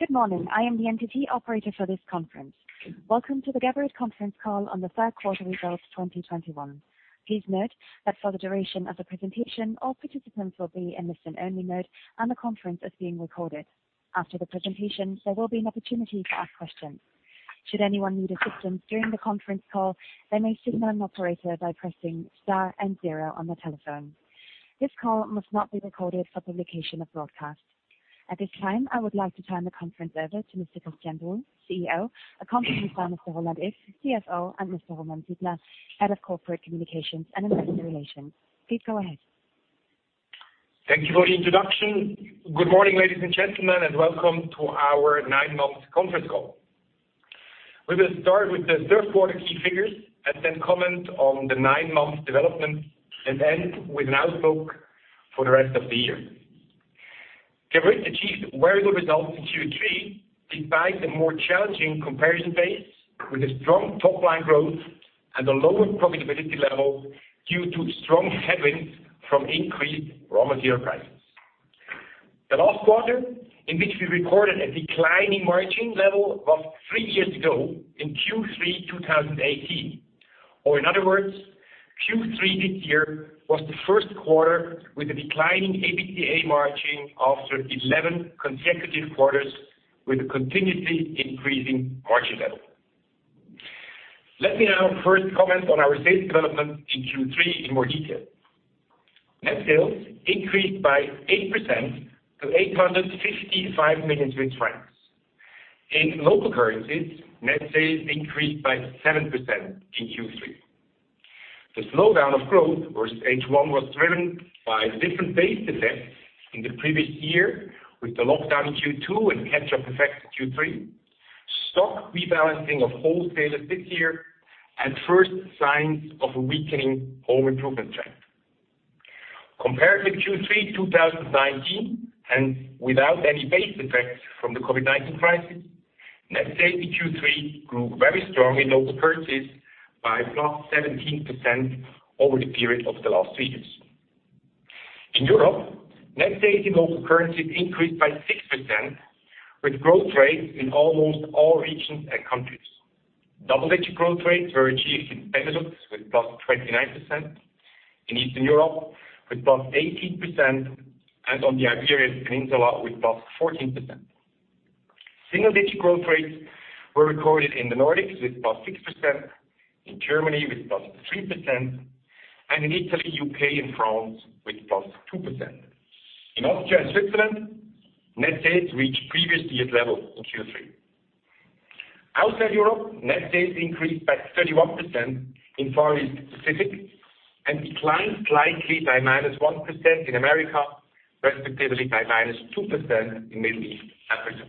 Good morning. I am the entity operator for this conference. Welcome to the Geberit conference call on the third quarter results 2021. Please note that for the duration of the presentation, all participants will be in listen-only mode, and the conference is being recorded. After the presentation, there will be an opportunity to ask questions. Should anyone need assistance during the conference call, they may signal an operator by pressing star and zero on their telephone. This call must not be recorded for publication or broadcast. At this time, I would like to turn the conference over to Mr. Christian Buhl, CEO, accompanied by Mr. Roland Iff, CFO, and Mr. Roman Sidler, Head of Corporate Communications and Investor Relations. Please go ahead. Thank you for the introduction. Good morning, ladies and gentlemen, and welcome to our nine-month conference call. We will start with the third quarter key figures and then comment on the nine-month development and end with an outlook for the rest of the year. Geberit achieved very good results in Q3, despite the more challenging comparison base with a strong top-line growth and a lower profitability level due to strong headwinds from increased raw material prices. The last quarter, in which we recorded a declining margin level, was three years ago in Q3 2018, or in other words, Q3 this year was the first quarter with a declining EBITDA margin after 11 consecutive quarters with a continuously increasing margin level. Let me now first comment on our sales development in Q3 in more detail. Net sales increased by 8% to 855 million Swiss francs. In local currencies, net sales increased by 7% in Q3. The slowdown of growth versus H1 was driven by different base effects in the previous year with the lockdown in Q2 and catch-up effects in Q3, stock rebalancing of wholesalers this year, and first signs of a weakening home improvement trend. Compared with Q3 2019, and without any base effects from the COVID-19 crisis, net sales in Q3 grew very strongly in local currencies by +17% over the period of the last three years. In Europe, net sales in local currencies increased by 6% with growth rates in almost all regions and countries. Double-digit growth rates were achieved in Benelux with +29%, in Eastern Europe with +18%, and on the Iberian Peninsula with +14%. Single-digit growth rates were recorded in the Nordics with +6%, in Germany with +3%, and in Italy, U.K., and France with +2%. In Austria and Switzerland, net sales reached previous year's level in Q3. Outside Europe, net sales increased by 31% in Far East Pacific and declined slightly by -1% in America, respectively by -2% in Middle East Africa.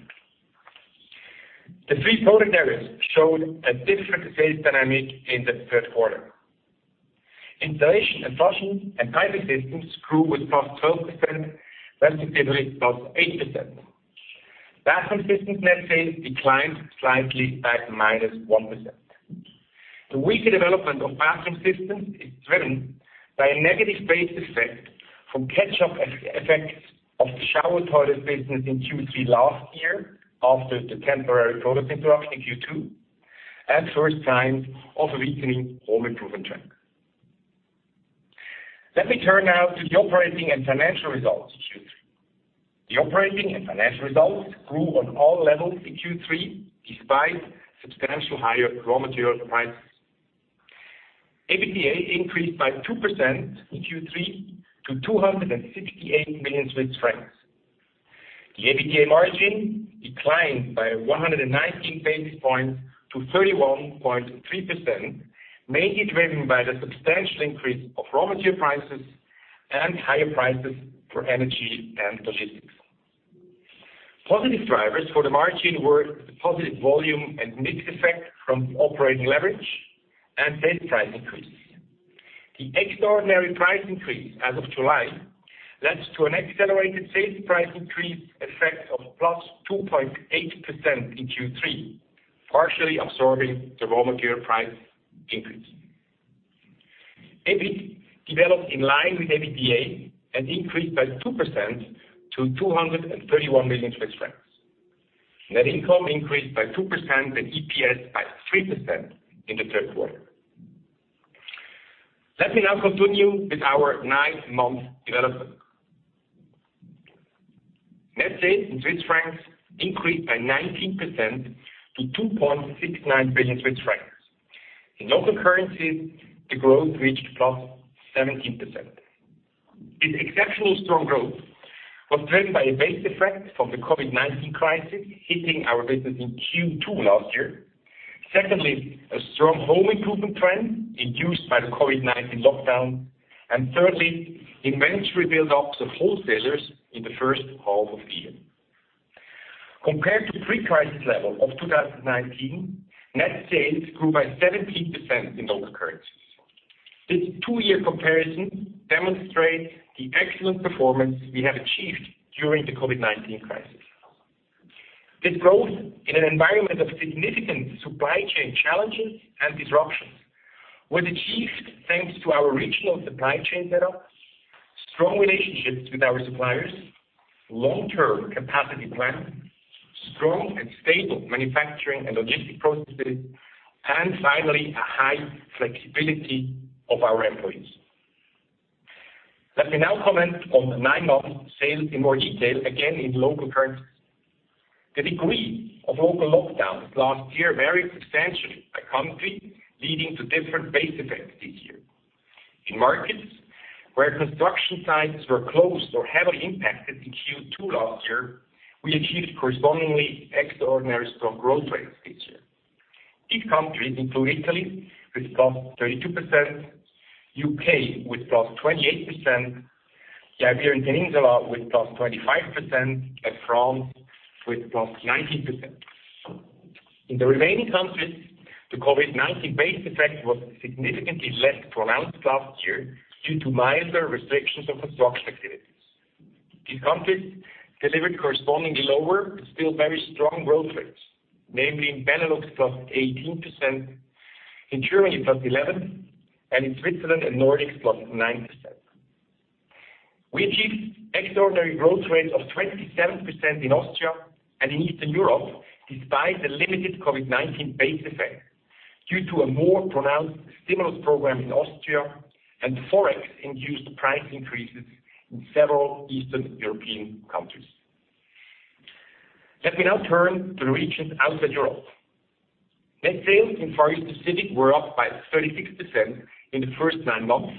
The three product areas showed a different sales dynamic in the third quarter. Installation and Flushing Systems and Piping Systems grew with +12%, respectively +8%. Bathroom Systems net sales declined slightly by -1%. The weaker development of bathroom systems is driven by a negative base effect from catch-up effect of the shower toilet business in Q3 last year after the temporary product interruption in Q2 and first signs of a weakening home improvement trend. Let me turn now to the operating and financial results of Q3. The operating and financial results grew on all levels in Q3 despite substantially higher raw material prices. EBITDA increased by 2% in Q3 to 268 million Swiss francs. The EBITDA margin declined by 119 basis points to 31.3%, mainly driven by the substantial increase of raw material prices and higher prices for energy and logistics. Positive drivers for the margin were the positive volume and mix effect from operating leverage and sales price increase. The extraordinary price increase as of July led to an accelerated sales price increase effect of +2.8% in Q3, partially absorbing the raw material price increase. EBIT developed in line with EBITDA and increased by 2% to 231 million Swiss francs. Net income increased by 2% and EPS by 3% in the third quarter. Let me now continue with our nine-month development. Net sales in Swiss francs increased by 19% to 2.69 billion Swiss francs. In local currencies, the growth reached +17%. This exceptionally strong growth was driven by a base effect from the COVID-19 crisis hitting our business in Q2 last year, secondly, a strong home improvement trend induced by the COVID-19 lockdown, and thirdly, inventory build-up of wholesalers in the first half of the year. Compared to pre-crisis level of 2019, net sales grew by 17% in local currencies. This two-year comparison demonstrates the excellent performance we have achieved during the COVID-19 crisis. This growth in an environment of significant supply chain challenges and disruptions were achieved thanks to our regional supply chain setup. Strong relationships with our suppliers, long-term capacity plan, strong and stable manufacturing and logistic processes, and finally, a high flexibility of our employees. Let me now comment on the nine months sales in more detail, again, in local currency. The degree of local lockdowns last year varied substantially by country, leading to different base effects this year. In markets where construction sites were closed or heavily impacted in Q2 last year, we achieved correspondingly extraordinary strong growth rates this year. These countries include Italy, with +32%, U.K. with +28%, the Iberian Peninsula with +25%, and France with +19%. In the remaining countries, the COVID-19 base effect was significantly less pronounced last year due to milder restrictions of construction activities. These countries delivered correspondingly lower, but still very strong growth rates, namely in Benelux, +18%, in Germany, +11%, and in Switzerland and Nordics, +9%. We achieved extraordinary growth rates of 27% in Austria and in Eastern Europe despite the limited COVID-19 base effect, due to a more pronounced stimulus program in Austria and Forex-induced price increases in several Eastern European countries. Let me now turn to the regions outside Europe. Net sales in Far East Pacific were up by 36% in the first nine months,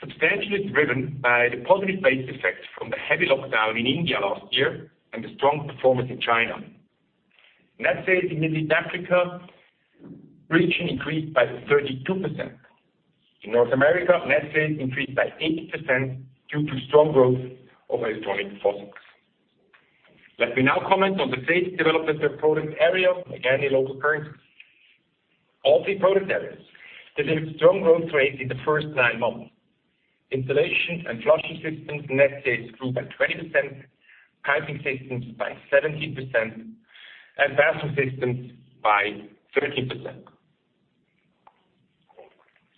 substantially driven by the positive base effect from the heavy lockdown in India last year and the strong performance in China. Net sales in Middle East and Africa region increased by 32%. In North America, net sales increased by 8% due to strong growth of electronic faucets. Let me now comment on the sales development per product area, again, in local currency. All three product areas delivered strong growth rates in the first nine months. Installation and Flushing Systems net sales grew by 20%, Piping Systems by 17%, and bathroom systems by 13%.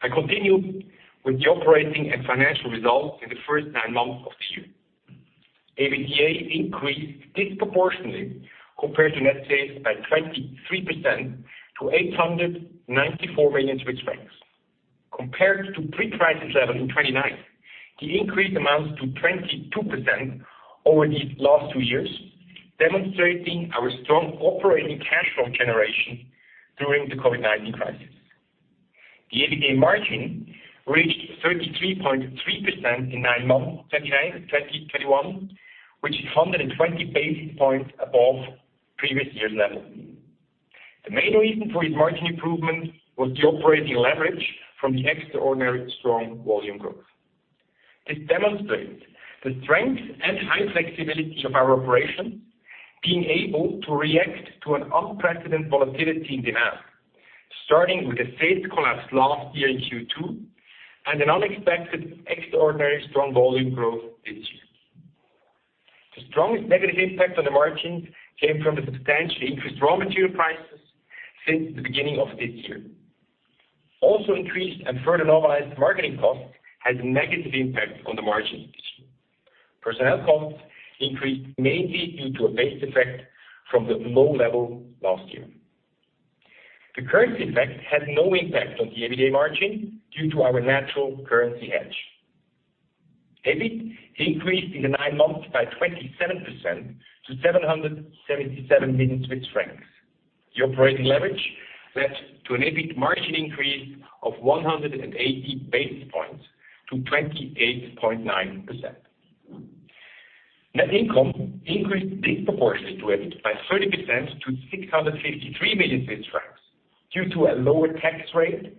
I continue with the operating and financial results in the first nine months of the year. EBITDA increased disproportionately compared to net sales by 23% to 894 million Swiss francs. Compared to pre-crisis level in 2019, the increase amounts to 22% over these last two years, demonstrating our strong operating cash flow generation during the COVID-19 crisis. The EBITDA margin reached 33.3% in 9M 2021, which is 120 basis points above previous year's level. The main reason for this margin improvement was the operating leverage from the extraordinary strong volume growth. This demonstrates the strength and high flexibility of our operation being able to react to an unprecedented volatility in demand, starting with a sales collapse last year in Q2 and an unexpected, extraordinary strong volume growth this year. The strongest negative impact on the margin came from the substantially increased raw material prices since the beginning of this year. Increased and further normalized marketing costs had a negative impact on the margin this year. Personnel costs increased mainly due to a base effect from the low level last year. The currency effect had no impact on the EBITDA margin due to our natural currency hedge. EBIT increased in the nine months by 27% to 777 million Swiss francs. The operating leverage led to an EBIT margin increase of 180 basis points to 28.9%. Net income increased disproportionately to EBIT by 30% to 653 million Swiss francs due to a lower tax rate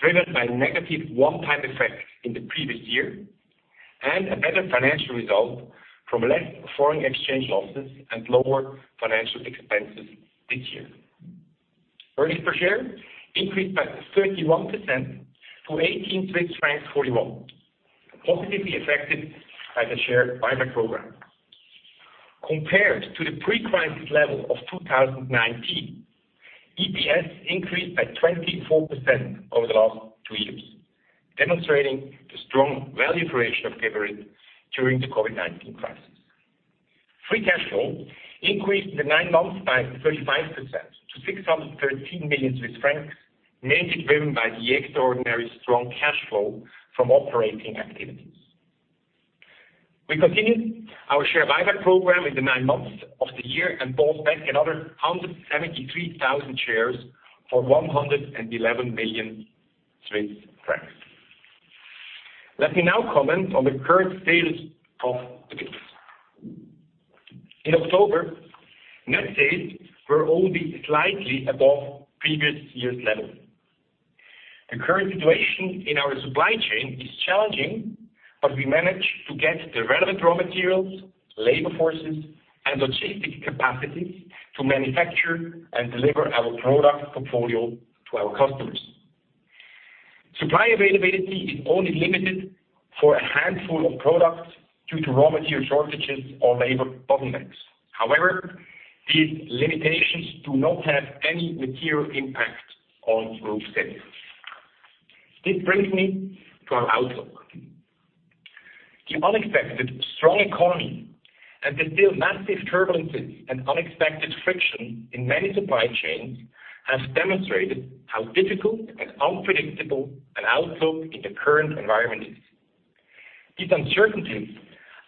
driven by negative one-time effects in the previous year and a better financial result from less foreign exchange losses and lower financial expenses this year. Earnings per share increased by 31% to 18.41, positively affected by the share buyback program. Compared to the pre-crisis level of 2019, EPS increased by 24% over the last two years, demonstrating the strong value creation of Geberit during the COVID-19 crisis. Free cash flow increased in the nine months by 35% to 613 million Swiss francs, mainly driven by the extraordinary strong cash flow from operating activities. We continued our share buyback program in the nine months of the year and bought back another 173,000 shares for CHF 111 million. Let me now comment on the current sales outlook. In October, net sales were only slightly above previous year's level. The current situation in our supply chain is challenging, but we managed to get the relevant raw materials, labor forces, and logistic capacity to manufacture and deliver our product portfolio to our customers. Supply availability is only limited for a handful of products due to raw material shortages or labor bottlenecks. However, these limitations do not have any material impact on group sales. This brings me to our outlook. The unexpected strong economy and the still massive turbulences and unexpected friction in many supply chains has demonstrated how difficult and unpredictable an outlook in the current environment is. These uncertainties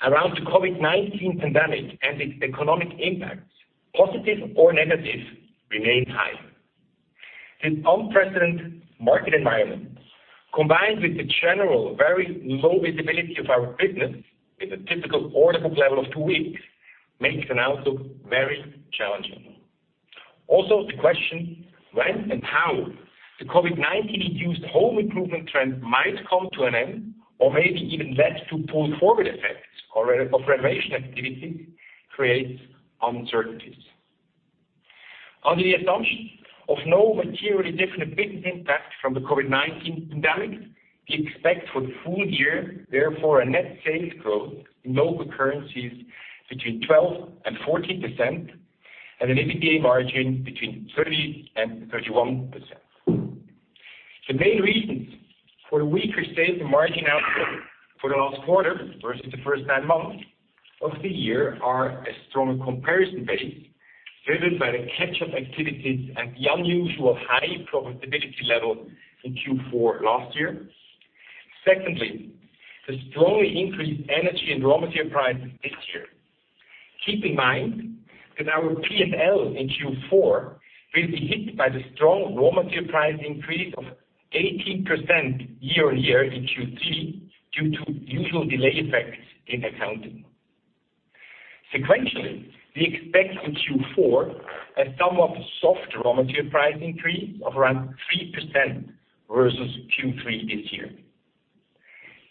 around COVID-19 pandemic and its economic impact, positive or negative, remain high. This unprecedented market environment, combined with the general very low visibility of our business in the typical order book level of two weeks, makes an outlook very challenging. Also, the question when and how the COVID-19-induced home improvement trend might come to an end or maybe even lead to pull-forward effects or reversal of renovation activity creates uncertainties. Under the assumption of no materially different business impact from the COVID-19 pandemic, we expect for the full year, therefore, a net sales growth in local currencies between 12% and 14% and an EBITDA margin between 30% and 31%. The main reasons for the weaker sales and margin outlook for the last quarter versus the first nine months of the year are a stronger comparison base driven by the catch-up activities and the unusual high profitability level in Q4 last year. Secondly, the strongly increased energy and raw material prices this year. Keep in mind that our P&L in Q4 will be hit by the strong raw material price increase of 18% year-over-year in Q3 due to usual delay effects in accounting. Sequentially, we expect in Q4 a somewhat soft raw material price increase of around 3% versus Q3 this year.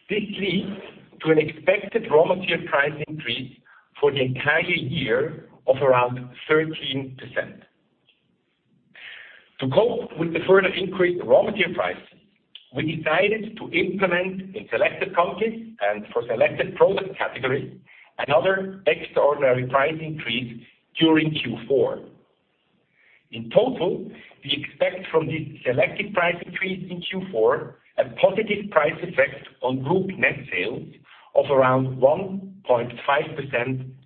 This leads to an expected raw material price increase for the entire year of around 13%. To cope with the further increased raw material prices, we decided to implement in selected countries and for selected product categories, another extraordinary price increase during Q4. In total, we expect from this selective price increase in Q4 a positive price effect on group net sales of around 1.5%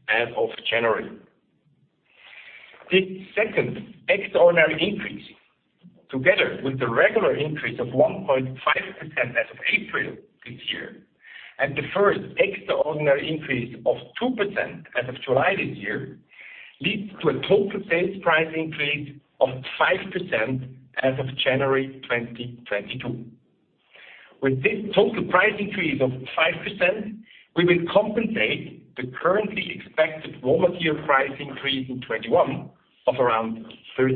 as of January. This second extraordinary increase, together with the regular increase of 1.5% as of April this year and the first extraordinary increase of 2% as of July this year, leads to a total sales price increase of 5% as of January 2022. With this total price increase of 5%, we will compensate the currently expected raw material price increase in 2021 of around 13%.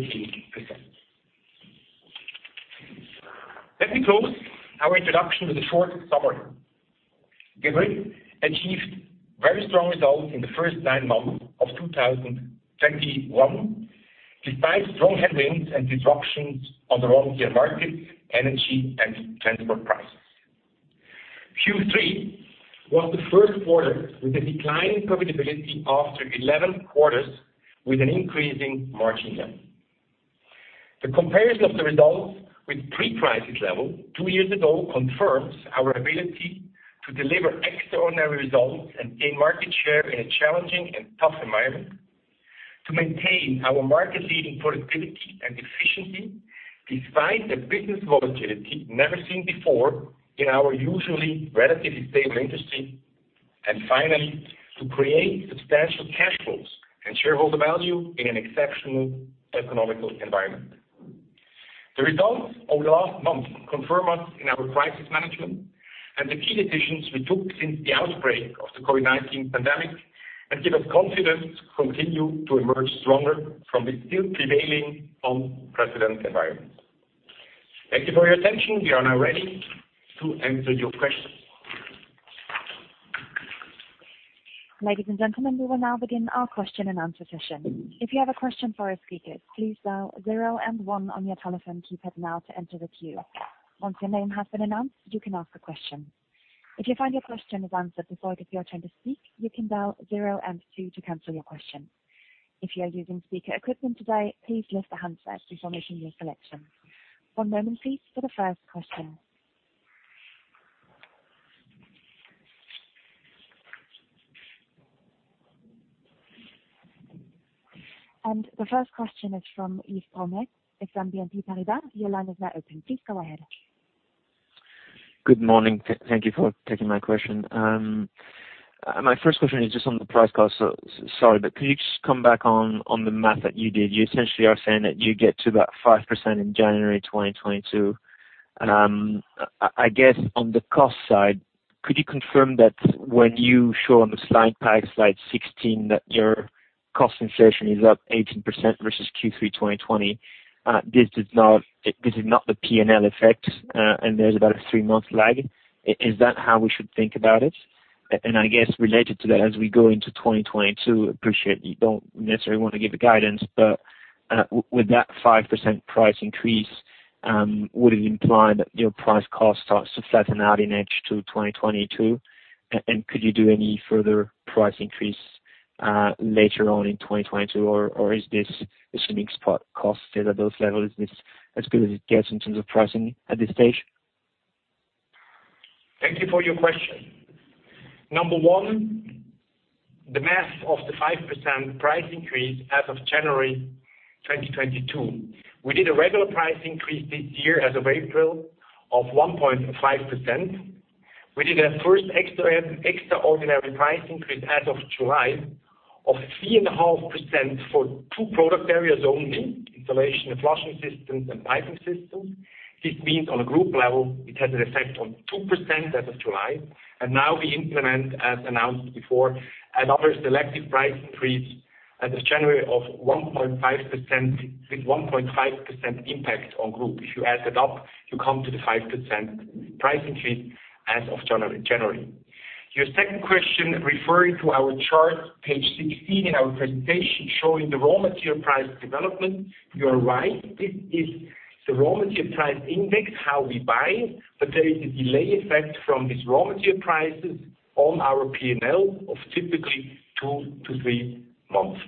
Let me close our introduction with a short summary. Geberit achieved very strong results in the first nine months of 2021, despite strong headwinds and disruptions on the raw material market, energy and transport prices. Q3 was the first quarter with a decline in profitability after eleven quarters with an increasing margin level. The comparison of the results with pre-crisis level twoyears ago confirms our ability to deliver extraordinary results and gain market share in a challenging and tough environment to maintain our market-leading productivity and efficiency, despite the business volatility never seen before in our usually relatively stable industry. Finally, to create substantial cash flows and shareholder value in an exceptional economic environment. The results over the last months confirm us in our crisis management and the key decisions we took since the outbreak of the COVID-19 pandemic and give us confidence to continue to emerge stronger from the still prevailing unprecedented environment. Thank you for your attention. We are now ready to answer your questions. Ladies and gentlemen, we will now begin our question and answer session. If you have a question for our speakers, please dial zero and one on your telephone keypad now to enter the queue. Once your name has been announced, you can ask a question. If you find your question is answered before it is your turn to speak, you can dial zero and two to cancel your question. If you are using speaker equipment today, please lift the handset before making your selection. One moment, please, for the first question. The first question is from Yves Tommelet from BNP Paribas. Your line is now open. Please go ahead. Good morning. Thank you for taking my question. My first question is just on the price cost. Sorry, but could you just come back on the math that you did? You essentially are saying that you get to that 5% in January 2022. I guess on the cost side, could you confirm that when you show on the slide pack, slide 16, that your cost inflation is up 18% versus Q3 2020, this is not the P&L effect, and there's about a three-month lag. Is that how we should think about it? I guess related to that, as we go into 2022, I appreciate you don't necessarily want to give the guidance, but with that 5% price increase, would it imply that your price cost starts to flatten out in H2 2022? Could you do any further price increase later on in 2022 or is this assuming spot costs stay at those levels, is this as good as it gets in terms of pricing at this stage? Thank you for your question. Number one, the math of the 5% price increase as of January 2022. We did a regular price increase this year as of April of 1.5%. We did a first extra, extraordinary price increase as of July of 3.5% for two product areas only, Installation and Flushing Systems and Piping Systems. This means on a group level, it had an effect on 2% as of July. Now we implement, as announced before, another selective price increase as of January of 1.5% with 1.5% impact on group. If you add it up, you come to the 5% price increase as of January. Your second question referring to our chart, page 16 in our presentation, showing the raw material price development. You are right. It is the raw material price index, how we buy, but there is a delay effect from these raw material prices on our P&L of typically 2-3 months.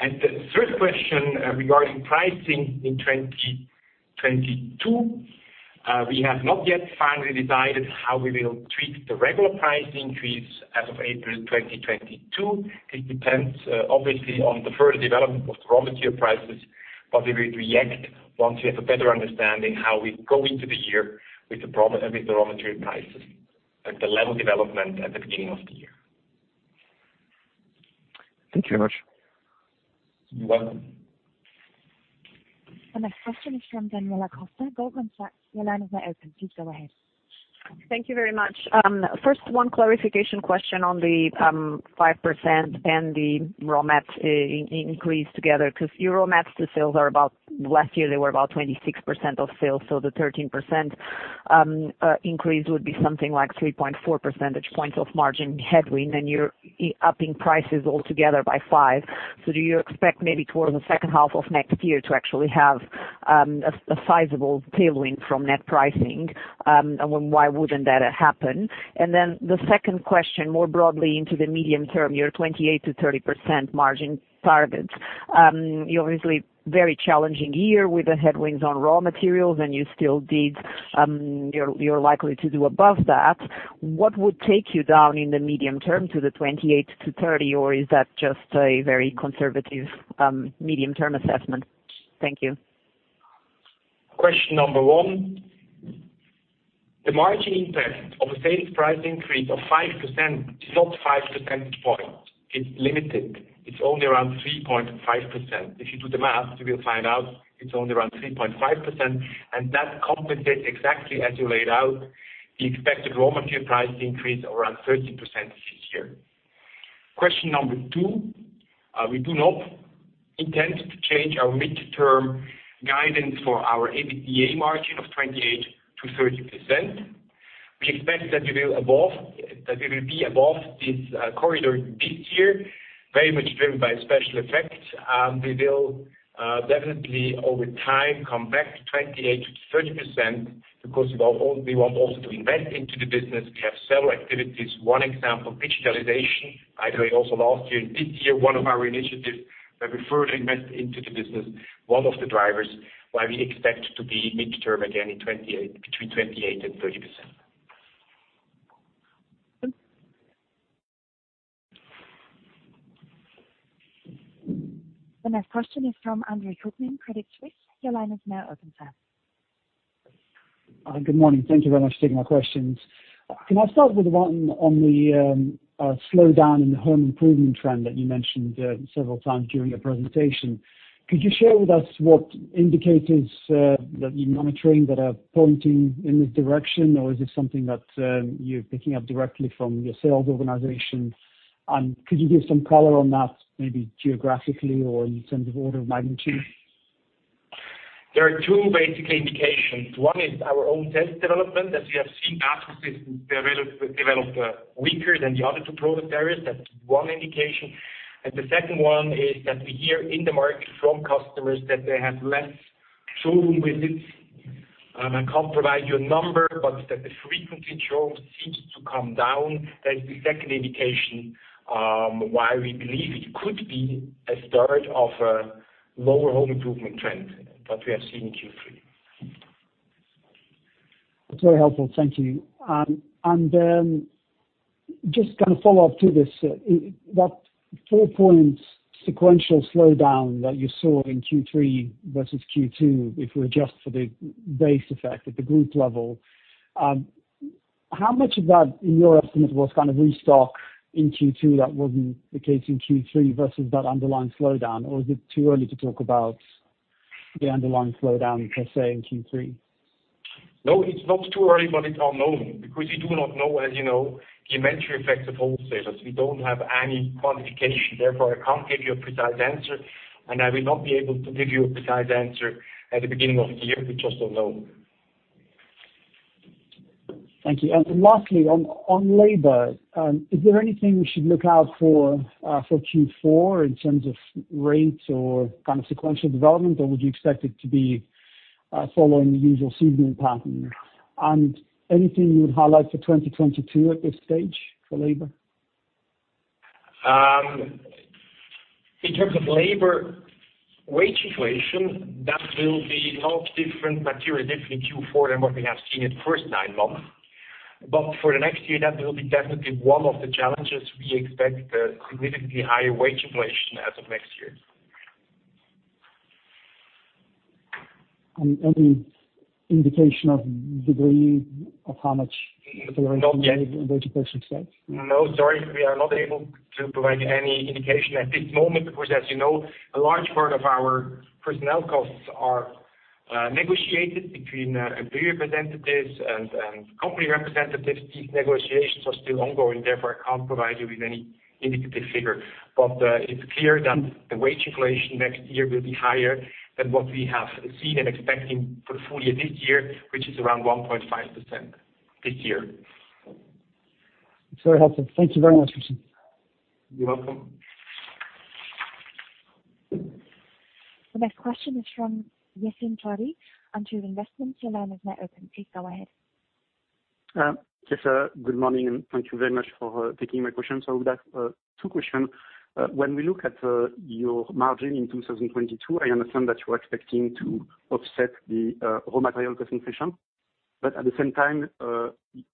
The third question regarding pricing in 2022, we have not yet finally decided how we will treat the regular price increase as of April 2022. It depends, obviously on the further development of raw material prices, but we will react once we have a better understanding how we go into the year with the raw material prices, at the level development at the beginning of the year. Thank you very much. You're welcome. The next question is from Daniela Costa, Goldman Sachs. Your line is now open. Please go ahead. Thank you very much. First, a clarification question on the 5% and the raw materials increase together, because your raw materials to sales are about. Last year, they were about 26% of sales, so the 13% increase would be something like 3.4 percentage points of margin headwind, and you're upping prices altogether by 5%. Do you expect maybe towards the second half of next year to actually have a sizable tailwind from net pricing? And why wouldn't that happen? The second question, more broadly into the medium term, your 28%-30% margin targets. You obviously had a very challenging year with the headwinds on raw materials, and you still did. You're likely to do above that. What would take you down in the medium term to the 28-30, or is that just a very conservative medium-term assessment? Thank you. Question number one, the margin impact of a sales price increase of 5% is not 5 percentage points. It's limited. It's only around 3.5%. If you do the math, you will find out it's only around 3.5%, and that compensates exactly as you laid out the expected raw material price increase of around 13% this year. Question number two, we do not intend to change our midterm guidance for our EBITDA margin of 28%-30%. We expect that we will be above this corridor this year, very much driven by special effects. We will definitely over time come back to 28%-30% because we want also to invest into the business. We have several activities. One example, digitalization. By the way, also last year and this year, one of our initiatives, that we further invest into the business, one of the drivers why we expect to be midterm again in 28%, between 28% and 30%. The next question is from Andre Kukhnin, Credit Suisse. Your line is now open, sir. Good morning. Thank you very much for taking my questions. Can I start with one on the slowdown in the home improvement trend that you mentioned several times during your presentation? Could you share with us what indicators that you're monitoring that are pointing in this direction, or is this something that you're picking up directly from your sales organization? Could you give some color on that, maybe geographically or in terms of order of magnitude? There are two basic indications. One is our own sales development. As you have seen, Bathroom Systems developed weaker than the other two product areas. That's one indication. The second one is that we hear in the market from customers that they have less showroom visits. I can't provide you a number, but that the frequency drop seems to come down. That is the second indication why we believe it could be a start of a lower home improvement trend that we have seen in Q3. That's very helpful. Thank you. Just kind of follow up to this. That 4 points sequential slowdown that you saw in Q3 versus Q2, if we adjust for the base effect at the group level, how much of that, in your estimate, was kind of restock in Q2 that wasn't the case in Q3 versus that underlying slowdown? Or is it too early to talk about the underlying slowdown per se in Q3? No, it's not too early, but it's unknown because we do not know, as you know, the inventory effects of wholesalers. We don't have any quantification. Therefore, I can't give you a precise answer, and I will not be able to give you a precise answer at the beginning of the year. We just don't know. Thank you. Lastly, on labor, is there anything we should look out for Q4 in terms of rates or kind of sequential development, or would you expect it to be following the usual seasonal pattern? Anything you would highlight for 2022 at this stage for labor? In terms of labor wage inflation, that will be materially different in Q4 than what we have seen in the first nine months. For the next year, that will be definitely one of the challenges we expect, significantly higher wage inflation as of next year. Any indication of degree of how much wage inflation expect? No, sorry. We are not able to provide any indication at this moment, because as you know, a large part of our personnel costs are negotiated between employee representatives and company representatives. These negotiations are still ongoing, therefore, I can't provide you with any indicative figure. It's clear that the wage inflation next year will be higher than what we have seen and expecting for the full year this year, which is around 1.5% this year. It's very helpful. Thank you very much, Christian. You're welcome. The next question is from Yassine Touahri. Your line is now open. Please go ahead. Yes, sir. Good morning, and thank you very much for taking my question. That's two question. When we look at your margin in 2022, I understand that you're expecting to offset the raw material cost inflation. But at the same time,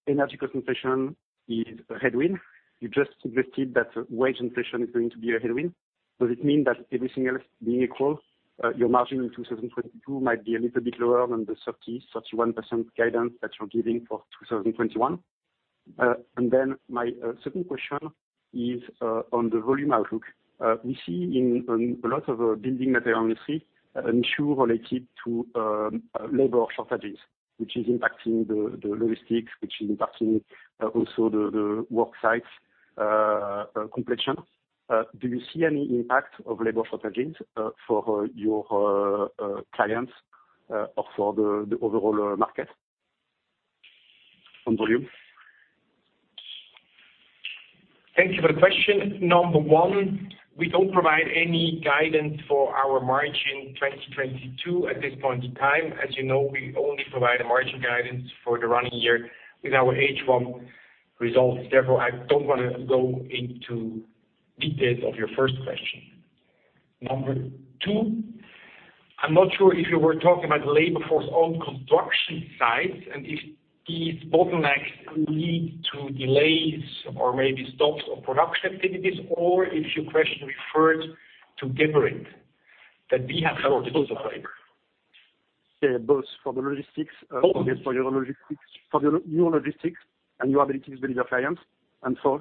energy cost inflation is a headwind. You just suggested that wage inflation is going to be a headwind. Does it mean that everything else being equal, your margin in 2022 might be a little bit lower than the 30%-31% guidance that you're giving for 2021? And then my second question is on the volume outlook. We see in a lot of building materials industry an issue related to labor shortages, which is impacting the logistics, which is impacting also the work sites' completion. Do you see any impact of labor shortages for your clients or for the overall market on volume? Thank you for the question. Number one, we don't provide any guidance for our margin in 2022 at this point in time. As you know, we only provide a margin guidance for the running year with our H1 results. Therefore, I don't wanna go into details of your first question. Number two, I'm not sure if you were talking about labor force on construction sites and if these bottlenecks will lead to delays or maybe stops of production activities, or if your question referred to Geberit, that we have. Yeah, both. For your logistics and your ability to deliver clients and for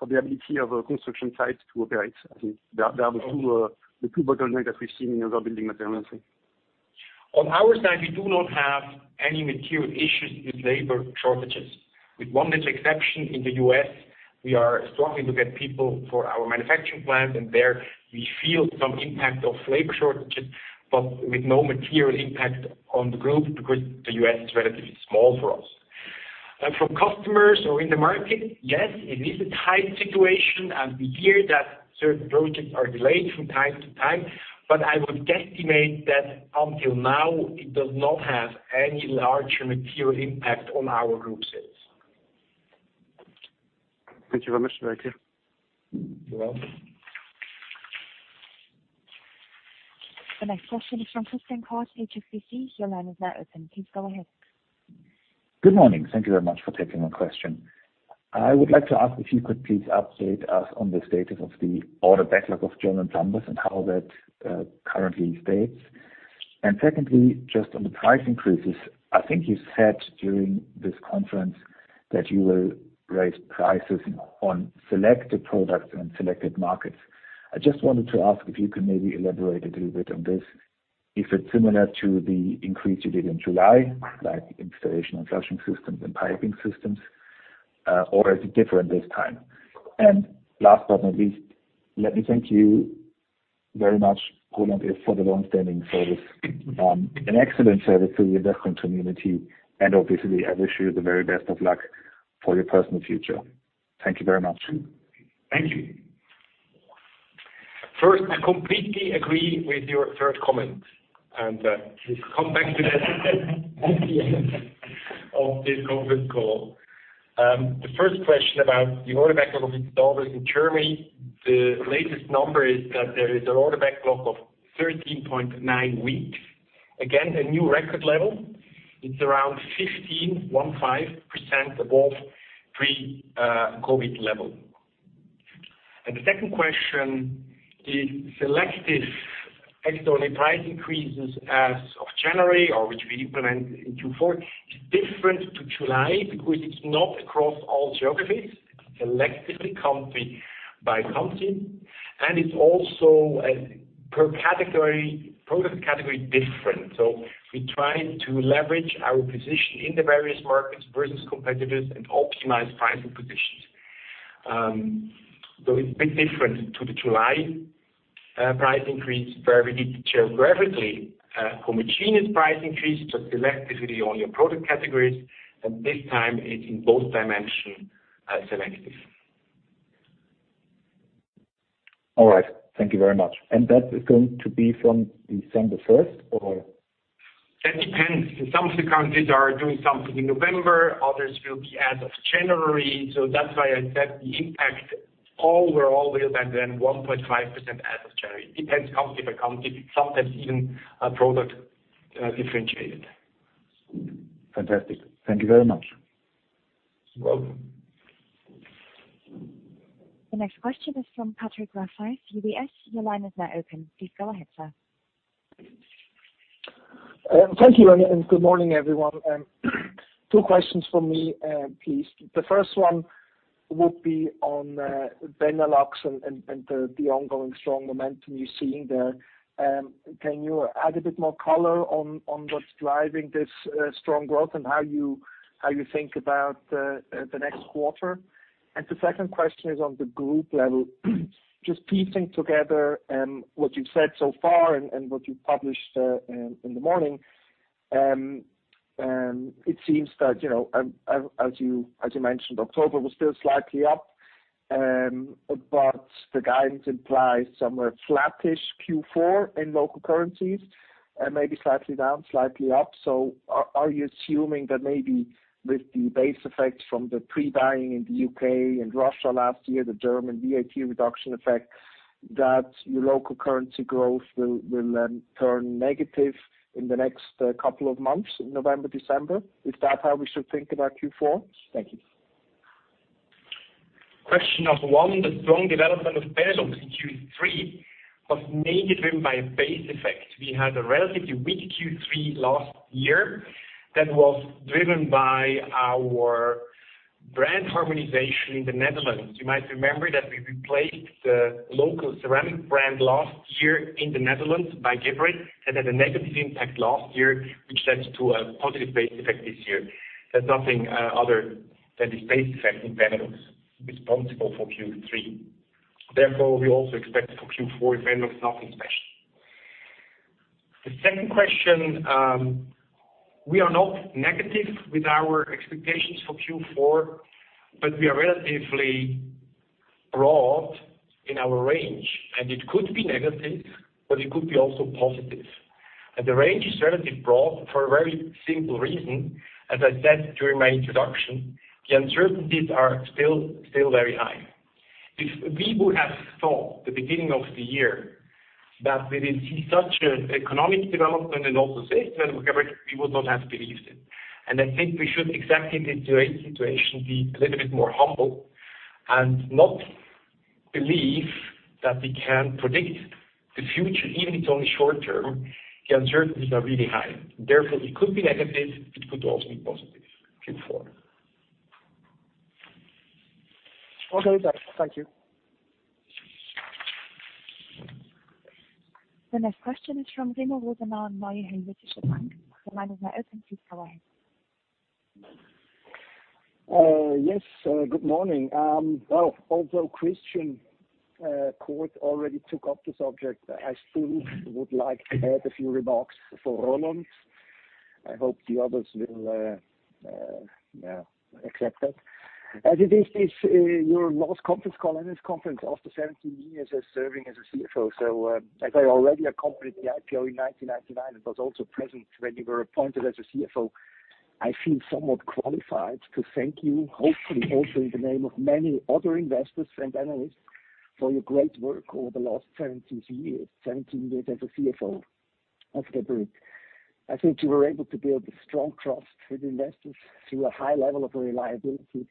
the ability of a construction site to operate. I think there are the two bottlenecks that we've seen in the building material industry. On our side, we do not have any material issues with labor shortages. With one little exception in the U.S., we are strongly looking at people for our manufacturing plant, and there we feel some impact of labor shortages, but with no material impact on the group because the U.S. is relatively small for us. For customers or in the market, yes, it is a tight situation, and we hear that certain projects are delayed from time to time, but I would guesstimate that until now it does not have any larger material impact on our group sales. Thank you very much. Thank you. You're welcome. The next question is from Christoph Dolleschal, HSBC. Your line is now open. Please go ahead. Good morning. Thank you very much for taking my question. I would like to ask if you could please update us on the status of the order backlog of German plumbers and how that currently stands. Secondly, just on the price increases, I think you said during this conference that you will raise prices on selected products and selected markets. I just wanted to ask if you could maybe elaborate a little bit on this, if it's similar to the increase you did in July, like Installation and Flushing Systems and Piping Systems, or is it different this time? Last but not least, let me thank you very much, Roland Iff, for the long-standing service, an excellent service to the investment community, and obviously I wish you the very best of luck for your personal future. Thank you very much. Thank you. First, I completely agree with your third comment and we'll come back to that at the end of this conference call. The first question about the order backlog of installers in Germany, the latest number is that there is an order backlog of 13.9 weeks. Again, a new record level. It's around 15% above pre-COVID level. The second question is selective external price increases as of January or which we implement in Q4 is different to July because it's not across all geographies. It's selectively country by country, and it's also as per category, product category different. We try to leverage our position in the various markets versus competitors and optimize pricing position. It's a bit different to the July price increase where we did geographically a homogeneous price increase as opposed to selective on our product categories, and this time it's in both dimensions, selective. All right. Thank you very much. That is going to be from December first or? That depends. Some of the countries are doing something in November, others will be as of January. That's why I said the impact all will overall will then 1.5% as of January. Depends country by country, sometimes even a product, differentiated. Fantastic. Thank you very much. You're welcome. The next question is from Patrick Rafaisz, UBS. Your line is now open. Please go ahead, sir. Thank you and good morning, everyone. Two questions from me, please. The first one would be on Benelux and the ongoing strong momentum you're seeing there. Can you add a bit more color on what's driving this strong growth and how you think about the next quarter? The second question is on the group level. Just piecing together what you've said so far and what you published in the morning. It seems that, you know, as you mentioned, October was still slightly up. The guidance implies somewhere flattish Q4 in local currencies and maybe slightly down, slightly up. Are you assuming that maybe with the base effects from the pre-buying in the UK and Russia last year, the German VAT reduction effect, that your local currency growth will then turn negative in the next couple of months, November, December? Is that how we should think about Q4? Thank you. Question number one, the strong development of Benelux in Q3 was mainly driven by a base effect. We had a relatively weak Q3 last year that was driven by our brand harmonization in the Netherlands. You might remember that we replaced the local ceramic brand last year in the Netherlands by Geberit, and had a negative impact last year, which led to a positive base effect this year. There's nothing, other than the base effect in Benelux responsible for Q3. Therefore, we also expect for Q4 in Benelux nothing special. The second question, we are not negative with our expectations for Q4, but we are relatively broad in our range, and it could be negative, but it could be also positive. The range is relatively broad for a very simple reason. As I said during my introduction, the uncertainties are still very high. If we would have thought at the beginning of the year that we will see such an economic development and also system, we would not have believed it. I think we should in exactly this situation be a little bit more humble and not believe that we can predict the future, even if it's only short term. The uncertainties are really high. Therefore, it could be negative, it could also be positive, Q4. Okay. Thank you. The next question is from Remo Rosenau, Helvetische Bank. Your line is now open, please go ahead. Yes, good morning. Well, although Christoph Dolleschal already took up the subject, I still would like to add a few remarks for Roland Iff. I hope the others will accept that. As it is your last conference call, annual conference after 17 years serving as a CFO. I already accompanied the IPO in 1999 and was also present when you were appointed as a CFO, I feel somewhat qualified to thank you, hopefully also in the name of many other investors and analysts for your great work over the last 17 years as a CFO of Geberit. I think you were able to build a strong trust with investors through a high level of reliability,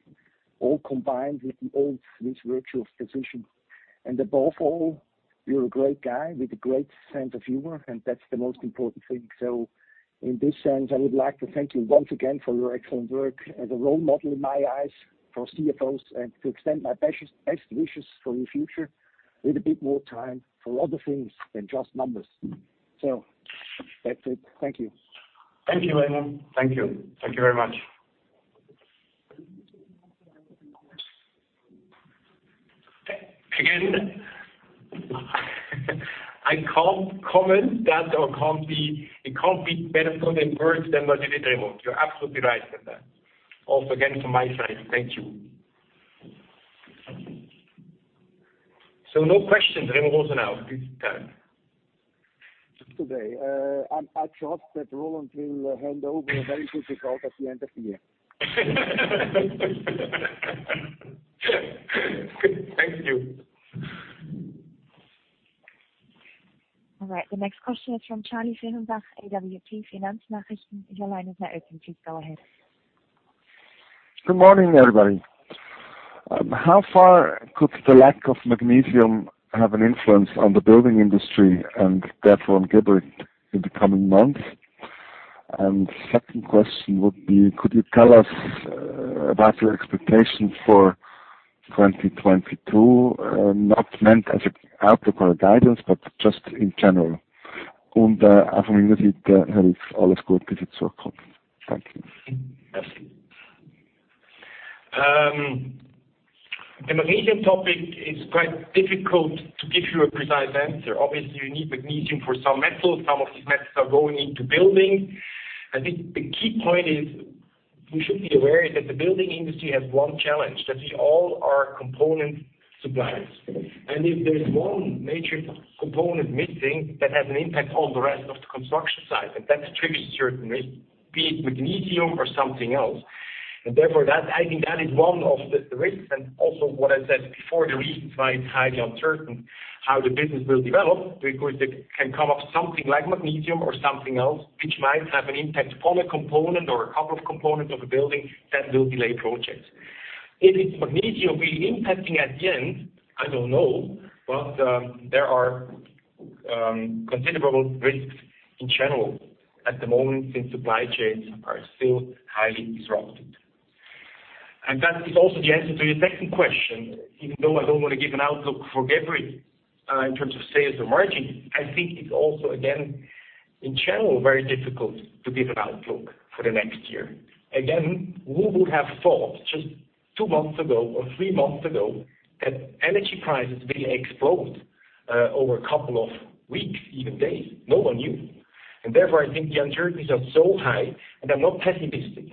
all combined with the old Swiss virtue of precision. Above all, you're a great guy with a great sense of humor, and that's the most important thing. In this sense, I would like to thank you once again for your excellent work as a role model in my eyes for CFOs and to extend my best wishes for your future with a bit more time for other things than just numbers. That's it. Thank you. Thank you, Remo. Thank you very much. Again, I can't comment on that, it can't be better worded than what you did, Remo. You're absolutely right in that. Also, again, from my side, thank you. No questions, Remo Rosenau, this time. I trust that Roland will hand over a very good result at the end of the year. Thank you. All right, the next question is from Charlene Seidenzahl, AWP Finanznachrichten. Your line is now open. Please go ahead. Good morning, everybody. How far could the lack of magnesium have an influence on the building industry and therefore on Geberit in the coming months? Second question would be, could you tell us about your expectation for 2022? Not meant as an outlook or a guidance, but just in general. Also from my side, Herr Iff, all the best for the future. Thank you. Yes. The magnesium topic is quite difficult to give you a precise answer. Obviously, you need magnesium for some metals. Some of these metals are going into building. I think the key point is we should be aware that the building industry has one challenge, that we all are component suppliers. If there's one major component missing, that has an impact on the rest of the construction site, and that triggers certain risks, be it magnesium or something else. Therefore, I think that is one of the risks and also what I said before, the reason why it's highly uncertain how the business will develop, because it can come up with something like magnesium or something else, which might have an impact on a component or a couple of components of a building that will delay projects. If it's magnesium really impacting at the end, I don't know. There are considerable risks in general at the moment since supply chains are still highly disrupted. That is also the answer to your second question, even though I don't want to give an outlook for Geberit in terms of sales or margin, I think it's also, again, in general, very difficult to give an outlook for the next year. Again, who would have thought just two months ago or three months ago that energy prices really explode over a couple of weeks, even days? No one knew. Therefore, I think the uncertainties are so high, and I'm not pessimistic.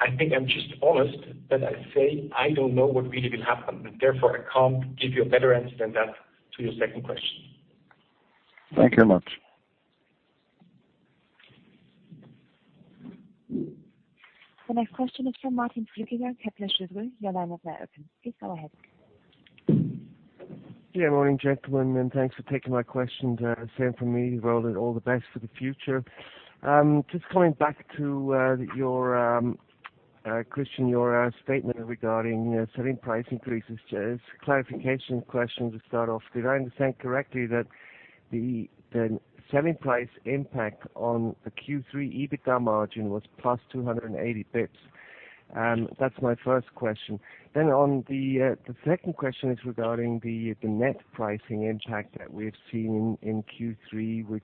I think I'm just honest that I say I don't know what really will happen, and therefore, I can't give you a better answer than that to your second question. Thank you very much. The next question is from Martin Flückiger, Kepler Cheuvreux. Your line is now open. Please go ahead. Yeah, morning, gentlemen, and thanks for taking my questions. Same from me, Roland, all the best for the future. Just coming back to your, Christian, your statement regarding selling price increases. Just clarification question to start off. Did I understand correctly that the selling price impact on the Q3 EBITDA margin was plus 280 basis points? That's my first question. Then the second question is regarding the net pricing impact that we've seen in Q3, which,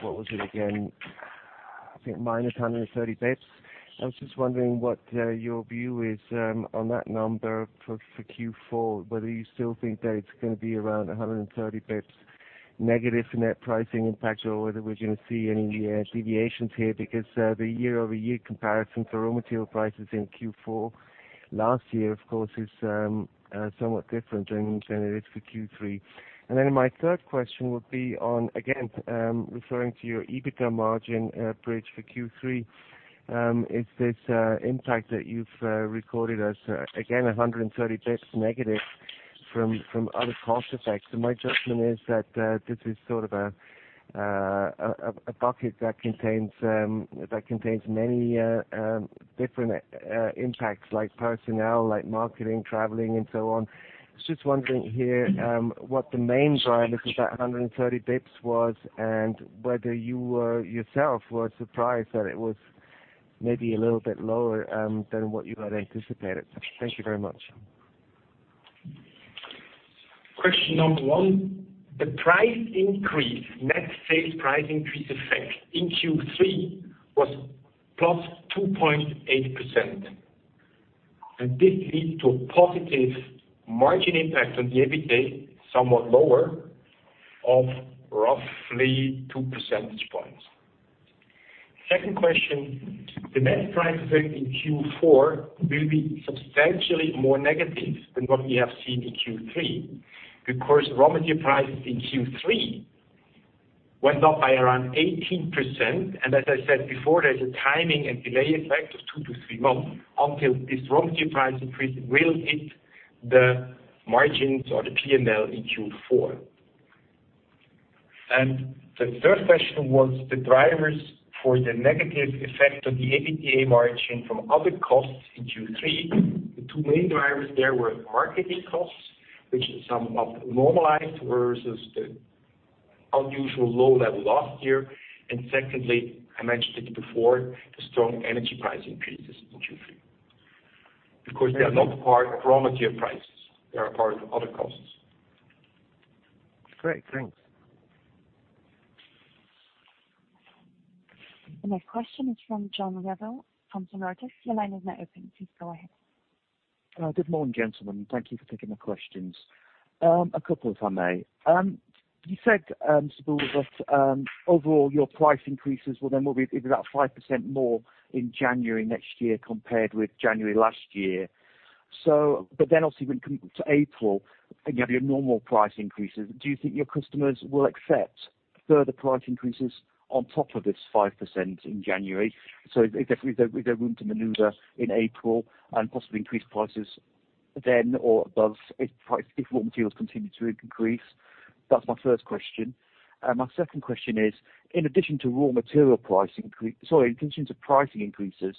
what was it again? I think -130 basis points. I was just wondering what your view is on that number for Q4, whether you still think that it's gonna be around 130 basis points negative net pricing impact or whether we're gonna see any deviations here. Because the year-over-year comparison for raw material prices in Q4 last year, of course, is somewhat different than it is for Q3. Then my third question would be on, again, referring to your EBITDA margin bridge for Q3. Is this impact that you've recorded as, again, 130 bps negative from other cost effects? My judgment is that this is sort of a bucket that contains many different impacts like personnel, like marketing, traveling, and so on. I was just wondering here what the main driver for that 130 bps was and whether you yourself were surprised that it was maybe a little bit lower than what you had anticipated. Thank you very much. Question number one, the price increase, net sales price increase effect in Q3 was +2.8%. This lead to a positive margin impact on the EBITDA, somewhat lower, of roughly 2 percentage points. Second question, the net price effect in Q4 will be substantially more negative than what we have seen in Q3. Of course, raw material prices in Q3 went up by around 18%. As I said before, there's a timing and delay effect of 2-3 months until this raw material price increase will hit the margins or the P&L in Q4. The third question was the drivers for the negative effect on the EBITDA margin from other costs in Q3. The two main drivers there were marketing costs, which is somewhat normalized versus the unusual low level last year. Secondly, I mentioned it before, the strong energy price increases in Q3. Because they are not part of raw material prices, they are part of other costs. Great. Thanks. The next question is from John Revill from Sanford C. Bernstein. Your line is now open. Please go ahead. Good morning, gentlemen. Thank you for taking my questions. A couple if I may. You said, Christian Buhl, that overall, your price increases will be about 5% more in January next year compared with January last year. Obviously when it come to April and you have your normal price increases, do you think your customers will accept further price increases on top of this 5% in January? Is there room to maneuver in April and possibly increase prices then or above if raw materials continue to increase? That's my first question. My second question is, in addition to pricing increases,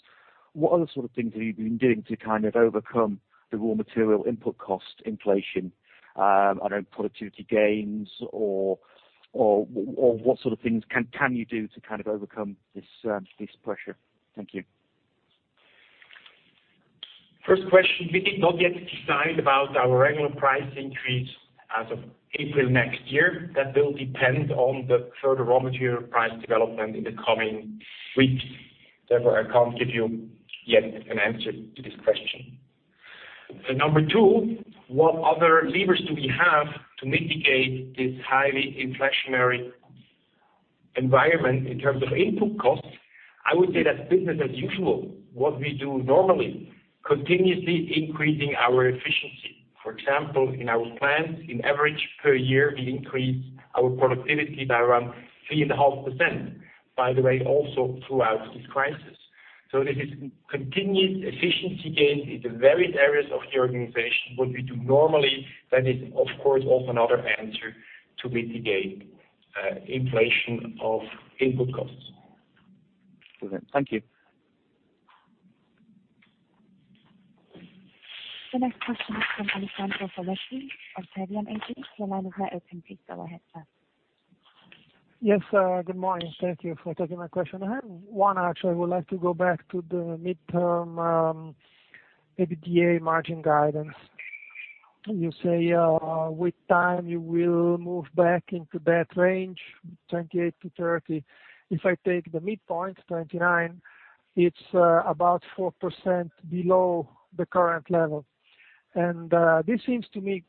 what other sort of things have you been doing to kind of overcome the raw material input cost inflation? I know productivity gains or what sort of things can you do to kind of overcome this pressure? Thank you. First question, we did not yet decide about our regular price increase as of April next year. That will depend on the further raw material price development in the coming weeks. Therefore, I can't give you yet an answer to this question. Number two, what other levers do we have to mitigate this highly inflationary environment in terms of input costs? I would say that's business as usual, what we do normally, continuously increasing our efficiency. For example, in our plants, in average per year, we increase our productivity by around 3.5%, by the way, also throughout this crisis. This is continued efficiency gains in the various areas of the organization, what we do normally, that is of course, also another answer to mitigate inflation of input costs. Thank you. The next question is from Alessandro Foletti of Octavian AG. Your line is now open. Please go ahead, sir. Yes, good morning. Thank you for taking my question. I have one, actually. I would like to go back to the midterm EBITDA margin guidance. You say, with time you will move back into that range, 28%-30%. If I take the midpoint, 29%, it's about 4% below the current level. This seems to me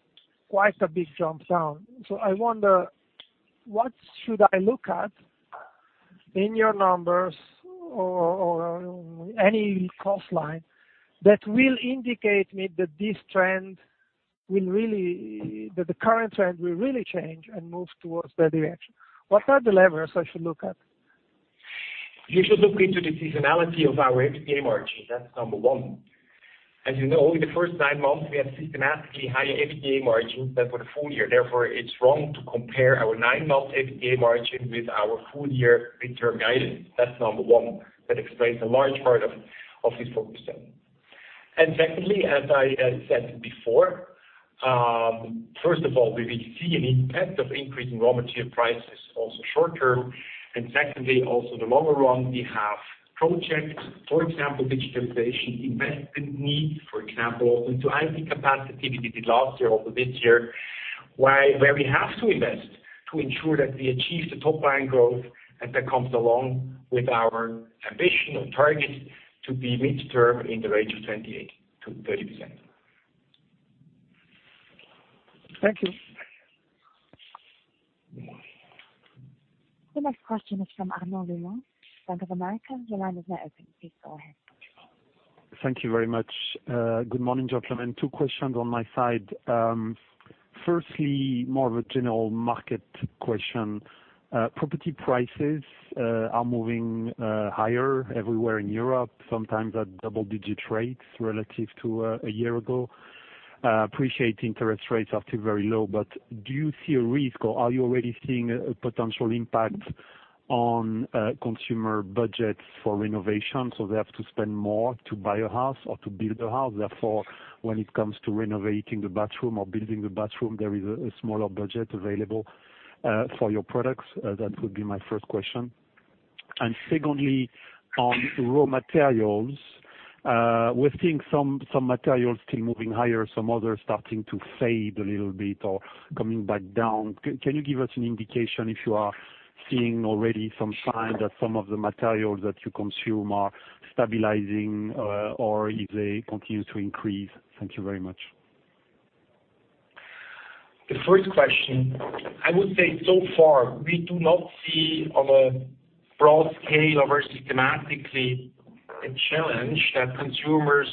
quite a big jump down. I wonder what should I look at in your numbers or any cost line that will indicate me that the current trend will really change and move towards that direction. What are the levers I should look at? You should look into the seasonality of our EBITDA margin. That's number one. As you know, in the first 9 months, we had systematically higher EBITDA margins than for the full year. Therefore, it's wrong to compare our nine-month EBITDA margin with our full year midterm guidance. That's number one. That explains a large part of this focus then. Secondly, as I said before, first of all, we will see an impact of increasing raw material prices also short term. Secondly, also the longer run, we have projects, for example, digitalization, investment needs, for example, into IT capacity we did last year or this year, where we have to invest to ensure that we achieve the top line growth and that comes along with our ambition and target to be midterm in the range of 28%-30%. Thank you. The next question is from Arnaud Lehmann, Bank of America. Your line is now open. Please go ahead. Thank you very much. Good morning, gentlemen. Two questions on my side. Firstly, more of a general market question. Property prices are moving higher everywhere in Europe, sometimes at double-digit rates relative to a year ago. I appreciate that interest rates are still very low, but do you see a risk or are you already seeing a potential impact on consumer budgets for renovation? They have to spend more to buy a house or to build a house. Therefore, when it comes to renovating the bathroom or building the bathroom, there is a smaller budget available for your products. That would be my first question. Secondly, on raw materials, we're seeing some materials still moving higher, some others starting to fade a little bit or coming back down. Can you give us an indication if you are seeing already some sign that some of the materials that you consume are stabilizing, or if they continue to increase? Thank you very much. The first question, I would say so far, we do not see on a broad scale or very systematically a challenge that consumers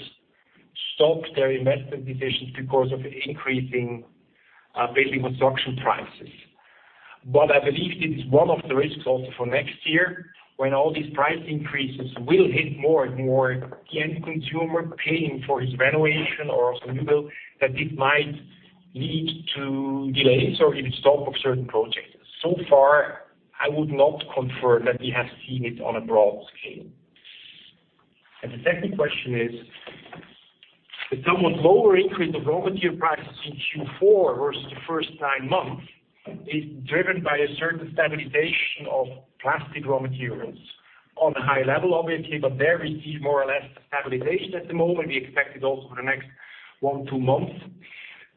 stop their investment decisions because of increasing building construction prices. I believe it is one of the risks also for next year, when all these price increases will hit more and more the end consumer paying for his renovation or also new build, that it might lead to delays or even stop of certain projects. So far, I would not confirm that we have seen it on a broad scale. The second question is, the somewhat lower increase of raw material prices in Q4 versus the first nine months is driven by a certain stabilization of plastic raw materials on a high level, obviously, but there we see more or less stabilization at the moment. We expect it also for the next one, two months.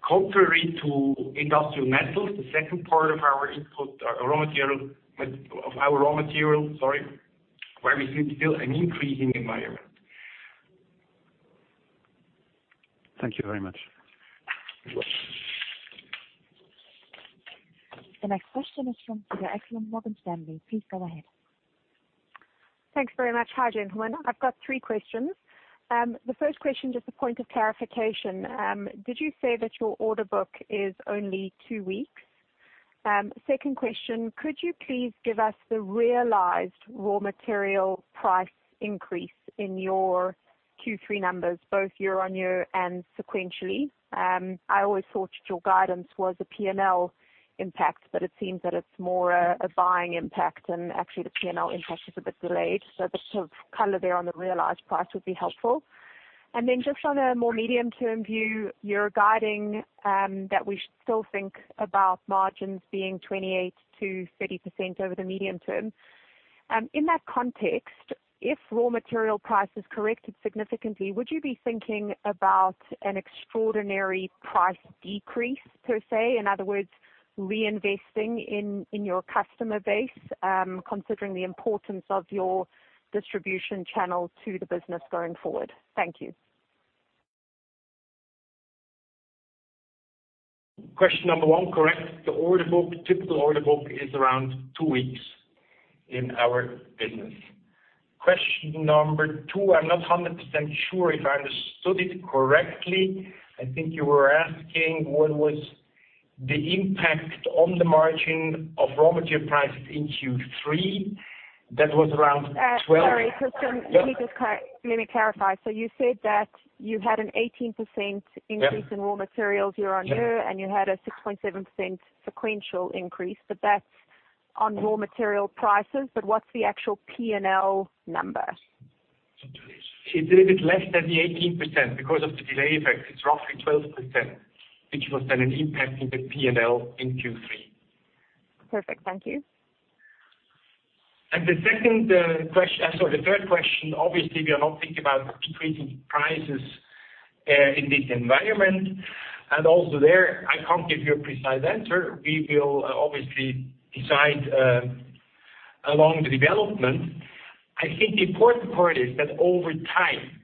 Contrary to industrial metals, the second part of our input, raw material, of our raw material, sorry, where we see still an increasing environment. Thank you very much. You're welcome. The next question is from Cedar Ekblom, Morgan Stanley. Please go ahead. Thanks very much. Hi, gentlemen. I've got three questions. The first question, just a point of clarification. Did you say that your order book is only two weeks? Second question, could you please give us the realized raw material price increase in your Q3 numbers, both year-over-year and sequentially? I always thought that your guidance was a P&L impact, but it seems that it's more a buying impact, and actually the P&L impact is a bit delayed. So a bit of color there on the realized price would be helpful. Just on a more medium term view, you're guiding that we still think about margins being 28%-30% over the medium term. In that context, if raw material prices corrected significantly, would you be thinking about an extraordinary price decrease per se, in other words, reinvesting in your customer base, considering the importance of your distribution channel to the business going forward? Thank you. Question number one, correct. The typical order book is around two weeks in our business. Question number two, I'm not 100% sure if I understood it correctly. I think you were asking what was the impact on the margin of raw material prices in Q3. That was around twelve- Sorry. Just, let me clarify. You said that you had an 18%- Yeah. Increase in raw materials year-on-year Yeah. you had a 6.7% sequential increase, but that's on raw material prices. What's the actual P&L number? It's a little bit less than the 18%. Because of the delay effect, it's roughly 12%, which was then an impact in the P&L in Q3. Perfect. Thank you. The third question, obviously we are not thinking about increasing prices in this environment. Also there, I can't give you a precise answer. We will obviously decide along the development. I think the important part is that over time,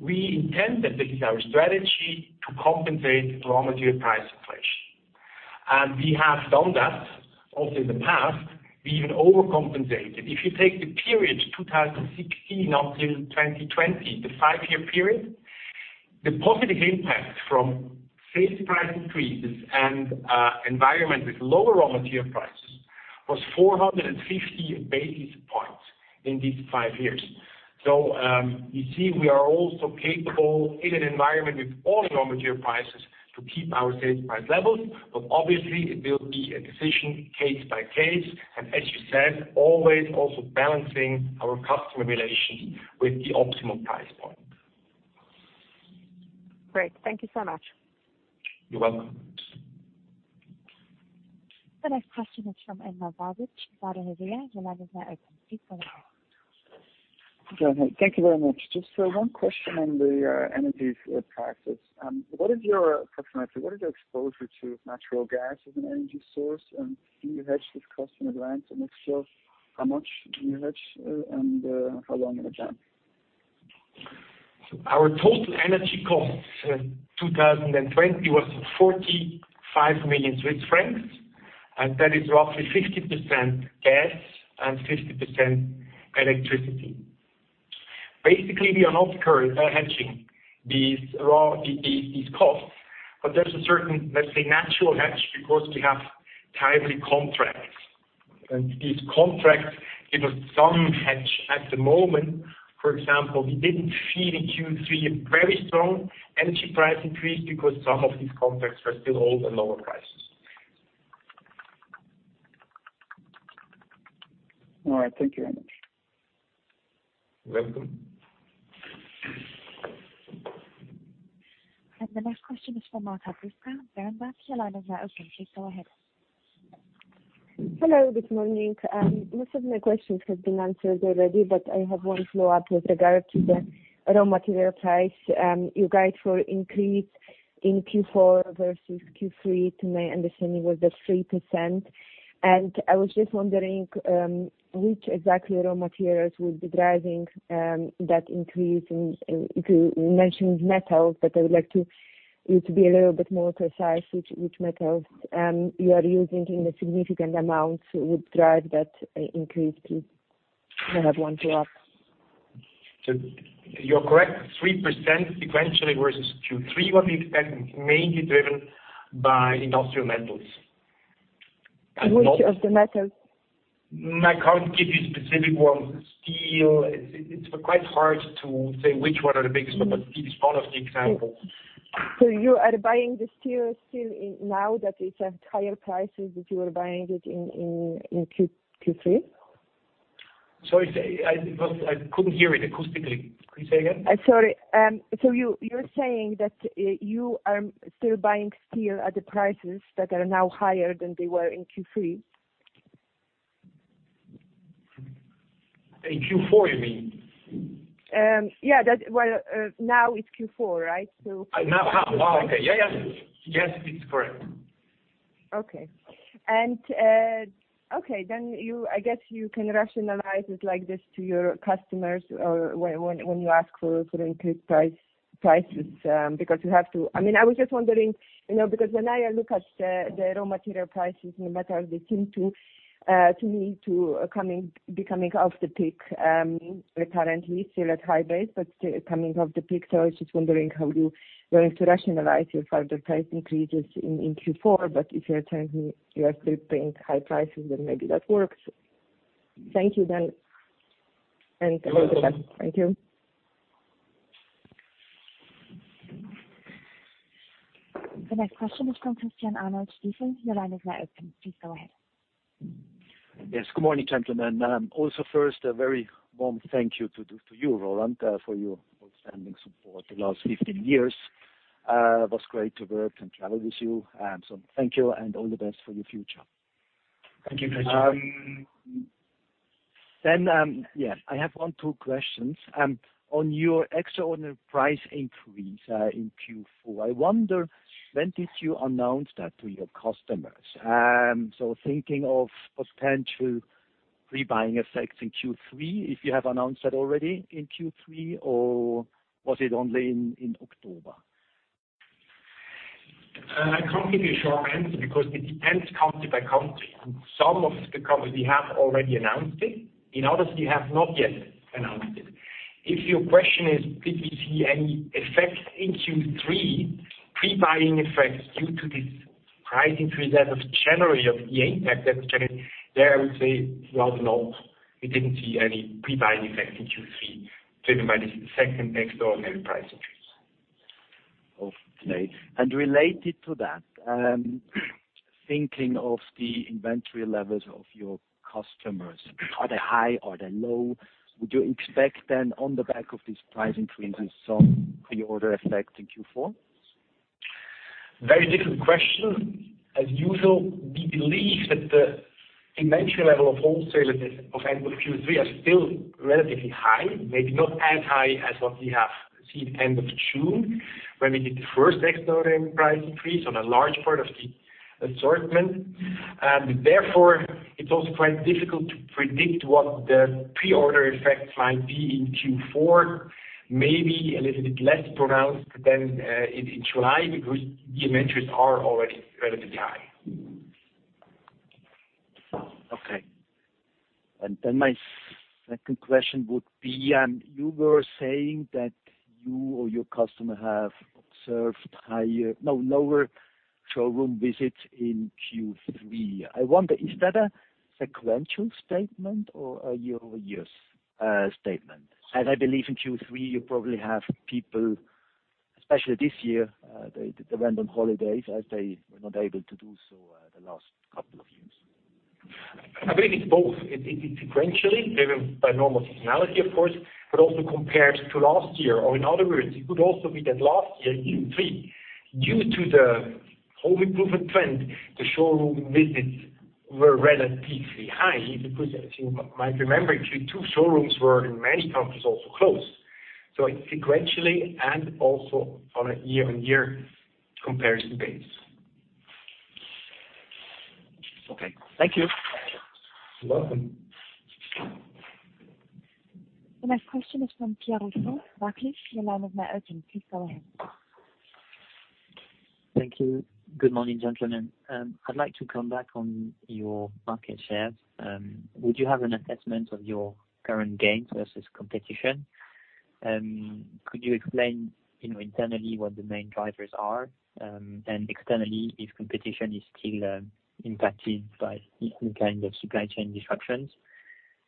we intend that this is our strategy to compensate the raw material price inflation. We have done that also in the past, we even overcompensated. If you take the period 2016 until 2020, the five-year period, the positive impact from sales price increases and environment with lower raw material prices was 450 basis points in these five years. You see, we are also capable in an environment with all raw material prices to keep our sales price levels. Obviously it will be a decision case by case, and as you said, always also balancing our customer relations with the optimal price point. Great. Thank you so much. You're welcome. The next question is from Emma Burdett, Barclays. Your line is now open. Please go ahead. Thank you very much. Just one question on the energy costs. Approximately, what is your exposure to natural gas as an energy source? Do you hedge this cost in advance? If so, how much do you hedge, and how long in advance? Our total energy cost in 2020 was 45 million Swiss francs, and that is roughly 50% gas and 50% electricity. Basically, we are not hedging these costs, but there's a certain, let's say, natural hedge because we have timely contracts. These contracts give us some hedge at the moment. For example, we didn't feel in Q3 a very strong energy price increase because some of these contracts were still holding lower prices. All right. Thank you very much. You're welcome. The next question is from Marco Bitsch, Berenberg. Your line is now open. Please go ahead. Hello, good morning. Most of my questions have been answered already, but I have one follow-up with regard to the raw material price. Prices were increased in Q4 versus Q3, to my understanding that was 3%. I was just wondering which exactly raw materials will be driving that increase. You mentioned metals, but I would like you to be a little bit more precise which metals you are using in a significant amount would drive that increase, please. I have one follow-up. You're correct, 3% sequentially versus Q3 what we expect mainly driven by industrial metals. Which of the metals? I can't give you specific ones. Steel. It's quite hard to say which one are the biggest, but steel is part of the example. You are buying the steel now that it's at higher prices that you were buying it in Q3? Sorry, I couldn't hear it acoustically. Could you say again? Sorry. You, you're saying that you are still buying steel at the prices that are now higher than they were in Q3? In Q4, you mean? Yeah. Well, now it's Q4, right? Now. Okay. Yeah. Yes, it's correct. I guess you can rationalize it like this to your customers or when you ask for increased prices, because you have to. I mean, I was just wondering, you know, because when I look at the raw material prices in the metals, they seem to me to be coming off the peak, currently still at high base, but still coming off the peak. I was just wondering how you were going to rationalize your further price increases in Q4. If you're telling me you are still paying high prices, then maybe that works. Thank you then. Have a good day. Thank you. The next question is from Christian Arnold, Stifel. Your line is now open. Please go ahead. Yes. Good morning, gentlemen. Also first, a very warm thank you to you, Roland, for your outstanding support the last 15 years. It was great to work and travel with you. Thank you and all the best for your future. Thank you very much. Yeah, I have one, two questions. On your extraordinary price increase in Q4, I wonder when did you announce that to your customers? Thinking of potential pre-buying effects in Q3, if you have announced that already in Q3, or was it only in October? I can't give you a short answer because it depends, country by country. In some of the countries, we have already announced it. In others, we have not yet announced it. If your question is, did we see any effects in Q3, pre-buying effects due to this price increase as of January or the impact that's coming? There, I would say, well, no, we didn't see any pre-buying effects in Q3 driven by the second extraordinary price increase. Okay. Related to that, thinking of the inventory levels of your customers, are they high? Are they low? Would you expect then on the back of these price increases, some pre-order effect in Q4? Very difficult question. As usual, we believe that the inventory level of wholesalers as of end of Q3 are still relatively high, maybe not as high as what we have seen end of June, when we did the first extraordinary price increase on a large part of the assortment. Therefore, it's also quite difficult to predict what the pre-order effects might be in Q4, maybe a little bit less pronounced than in July because the inventories are already relatively high. Okay. My second question would be, you were saying that you or your customer have observed lower showroom visits in Q3. I wonder, is that a sequential statement or a year over year statement? As I believe in Q3, you probably have people, especially this year, they did the random holidays as they were not able to do so, the last couple of years. I believe it's both. It is sequentially, driven by normal seasonality, of course, but also compared to last year, or in other words, it could also be that last year in Q3, due to the home improvement trend, the showroom visits were relatively high because as you might remember, actually, too, showrooms were in many countries also closed. It's sequentially and also on a year-on-year comparison basis. Okay. Thank you. You're welcome. The next question is from Pierre Rousseau. Your line is now open. Please go ahead. Thank you. Good morning, gentlemen. I'd like to come back on your market shares. Would you have an assessment of your current gains versus competition? Could you explain, you know, internally what the main drivers are, and externally, if competition is still impacted by different kind of supply chain disruptions?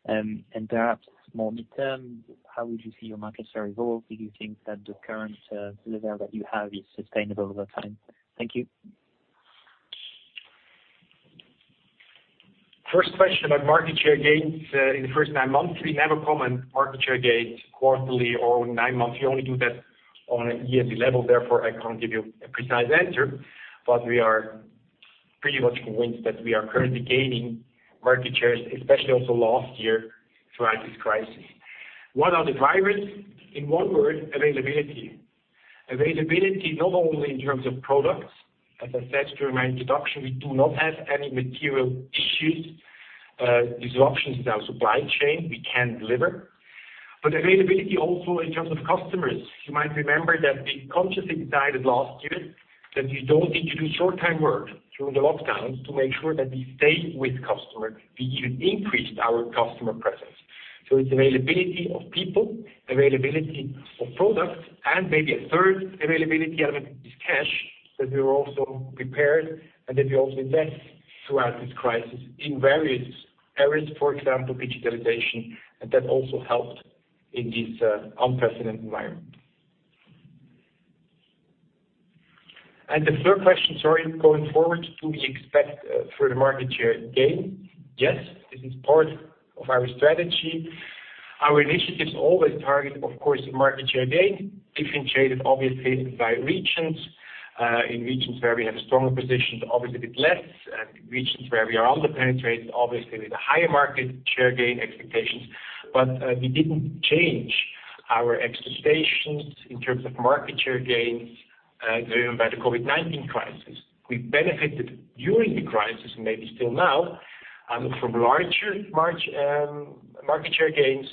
And perhaps more midterm, how would you see your market share evolve? Do you think that the current level that you have is sustainable over time? Thank you. First question about market share gains in the first nine months. We never comment market share gains quarterly or nine months. We only do that on a yearly level. Therefore, I can't give you a precise answer. We are pretty much convinced that we are currently gaining market shares, especially also last year throughout this crisis. What are the drivers? In one word, availability. Availability not only in terms of products. As I said during my introduction, we do not have any material issues, disruptions in our supply chain. We can deliver. Availability also in terms of customers. You might remember that we consciously decided last year that we don't need to do short time work during the lockdowns to make sure that we stay with customers. We even increased our customer presence. It's availability of people, availability of products, and maybe a third availability element is cash, that we were also prepared, and that we also invest throughout this crisis in various areas, for example, digitalization, and that also helped in this unprecedented environment. The third question, sorry, going forward, do we expect further market share gain? Yes, this is part of our strategy. Our initiatives always target, of course, the market share gain, differentiated obviously by regions. In regions where we have stronger positions, obviously a bit less. In regions where we are under penetrated, obviously with a higher market share gain expectations. We didn't change our expectations in terms of market share gains, driven by the COVID-19 crisis. We benefited during the crisis, maybe still now, from larger market share gains.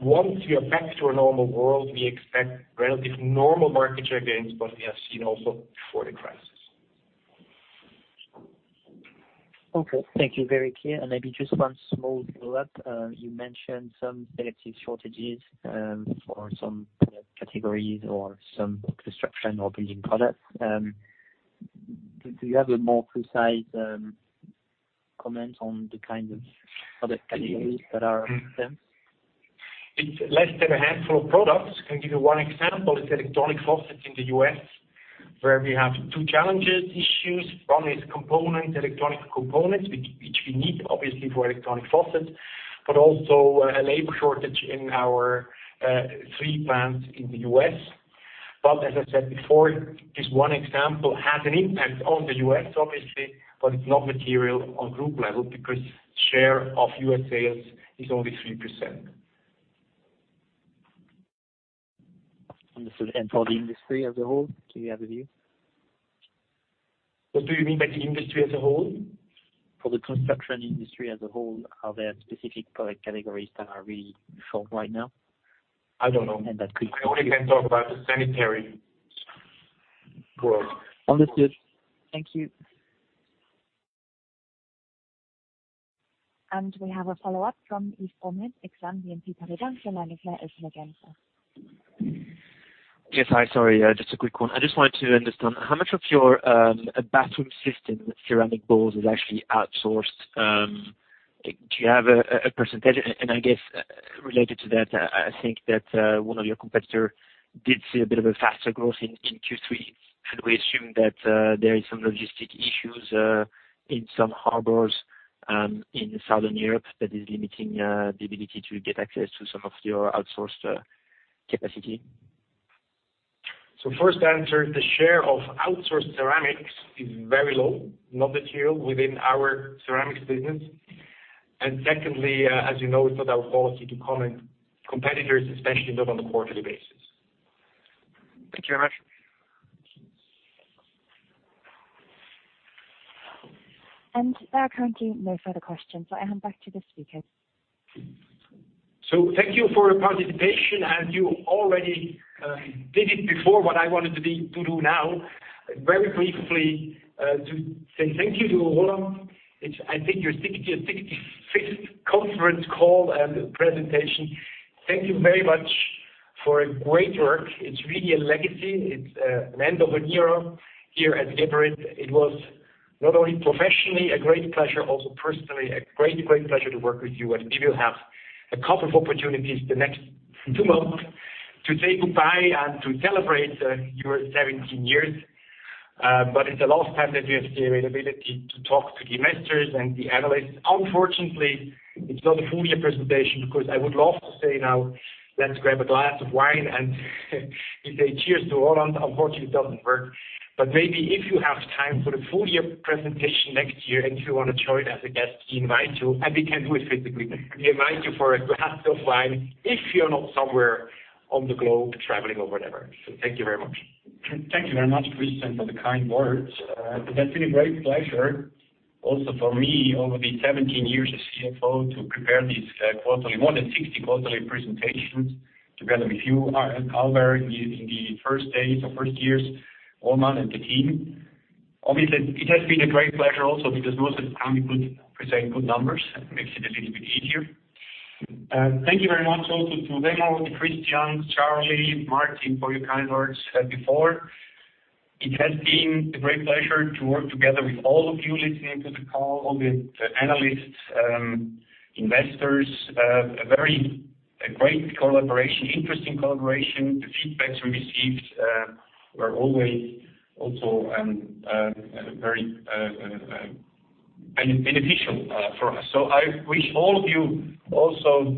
Once we are back to a normal world, we expect relatively normal market share gains, what we have seen also before the crisis. Okay. Thank you. Very clear. Maybe just one small follow-up. You mentioned some selective shortages for some categories or some construction or building products. Do you have a more precise comment on the kind of product categories that are affected? It's less than a handful of products. I can give you one example. It's electronic faucets in the U.S., where we have two challenges, issues. One is components, electronic components, which we need obviously for electronic faucets. Also a labor shortage in our three plants in the U.S. As I said before, this one example has an impact on the U.S. obviously, but it's not material on group level because share of U.S. sales is only 3%. Understood. For the industry as a whole, do you have a view? What do you mean by the industry as a whole? For the construction industry as a whole, are there specific product categories that are really short right now? I don't know. That could. I only can talk about the sanitary world. Understood. Thank you. We have a follow-up from Yves Cornut, Exane BNP Paribas. Your line is clear. Yes. Hi. Sorry, just a quick one. I just wanted to understand how much of your bathroom system ceramic bowls is actually outsourced. Do you have a percentage? I guess related to that, I think that one of your competitor did see a bit of a faster growth in Q3. Should we assume that there is some logistics issues in some harbors in Southern Europe that is limiting the ability to get access to some of your outsourced capacity? First, the share of outsourced ceramics is very low, not material within our ceramics business. Secondly, as you know, it's not our policy to comment on competitors, especially not on a quarterly basis. Thank you very much. There are currently no further questions, so I hand back to the speaker. Thank you for your participation. You already did it before what I wanted to do now. Very briefly, to say thank you to Roland. It's, I think, your 65th conference call and presentation. Thank you very much for a great work. It's really a legacy. It's the end of an era here at Geberit. It was not only professionally a great pleasure, also personally a great pleasure to work with you. We will have a couple of opportunities the next two months to say goodbye and to celebrate your 17 years. It's the last time that we have the availability to talk to the investors and the analysts. Unfortunately, it's not a full year presentation because I would love to say now, let's grab a glass of wine and say cheers to Roland. Unfortunately, it doesn't work. Maybe if you have time for the full year presentation next year, and if you want to join as a guest, we invite you, and we can do it physically. We invite you for a glass of wine if you're not somewhere on the globe, traveling or whatever. Thank you very much. Thank you very much, Christian, for the kind words. It has been a great pleasure also for me over the 17 years as CFO to prepare these quarterly presentations, more than 60 quarterly presentations together with you, and Albert in the first days or first years, Roland and the team. Obviously, it has been a great pleasure also because most of the time we could present good numbers. It makes it a little bit easier. Thank you very much also to Remo Rosenau, Christian, Charlie, Martin, for your kind words said before. It has been a great pleasure to work together with all of you listening to the call, all the analysts, investors. A great collaboration, interesting collaboration. The feedbacks we received were always also very beneficial for us. I wish all of you also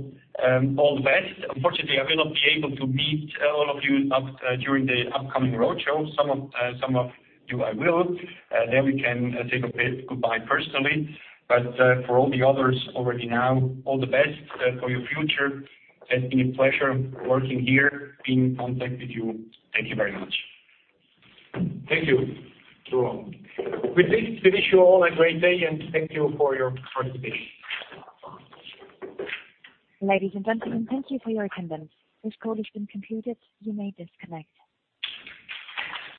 all the best. Unfortunately, I will not be able to meet all of you up during the upcoming roadshow. Some of you I will, then we can say goodbye personally, but for all the others already now, all the best for your future. It's been a pleasure working here, being in contact with you. Thank you very much. Thank you, Roland. With this, we wish you all a great day, and thank you for your participation. Ladies and gentlemen, thank you for your attendance. This call has been concluded. You may disconnect.